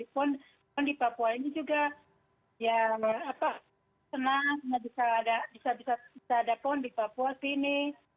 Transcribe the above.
pon di papua ini juga ya senang bisa ada pon di papua sini